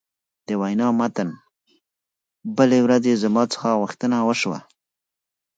د وینا متن: بلې ورځې زما څخه غوښتنه وشوه.